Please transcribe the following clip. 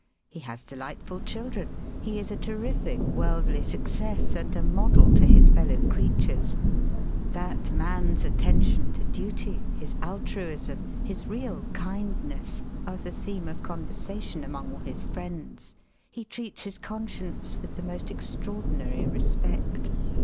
He has delightful children. He is a terrific worldly success, and a model to his fellow creatures. That man's atten tion to duty, his altruism, his real kindness, are the theme of conversation among all his friends. He treats his conscience with the most extraor dinary respect.